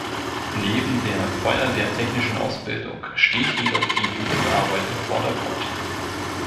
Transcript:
Neben der feuerwehrtechnischen Ausbildung steht jedoch die Jugendarbeit im Vordergrund.